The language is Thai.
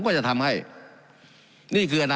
การปรับปรุงทางพื้นฐานสนามบิน